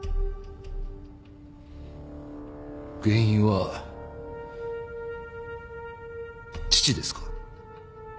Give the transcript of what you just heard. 原因は父ですか？